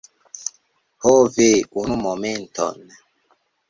Ho, ve! Unu momenton.